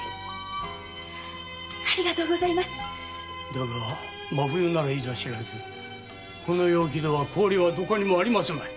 だが真冬ならいざしらずこの陽気では氷はどこにもあるまい。